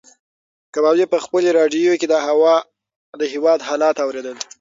کبابي په خپلې راډیو کې د هېواد حالات اورېدل.